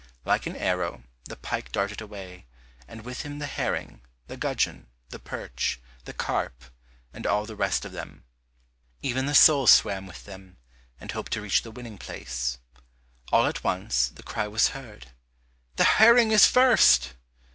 Like an arrow, the pike darted away, and with him the herring, the gudgeon, the perch, the carp, and all the rest of them. Even the sole swam with them, and hoped to reach the winning place. All at once, the cry was heard, "The herring is first!"